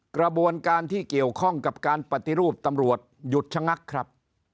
กระบวนการที่เกี่ยวข้องกับการปฏิรูปตำรวจหยุดชะงักครับ